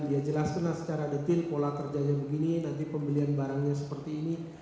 dia jelaskanlah secara detil pola kerjanya begini nanti pembelian barangnya seperti ini